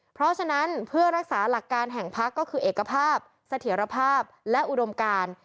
เพราะฉะนั้นเพื่อรักษาหลักการแห่งพักก็คือเอกภาพเสถียรภาพและอุดมการ